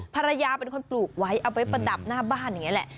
ภรรยาเป็นคนปลูกไว้เอาไว้ประดับหน้าบ้านอย่างนี้แหละ